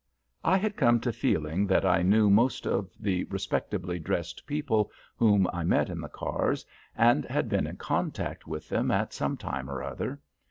I had come to feeling that I knew most of the respectably dressed people whom I met in the cars, and had been in contact with them at some time or other.